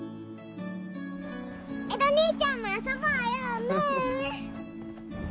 エド兄ちゃんも遊ぼうよねえ！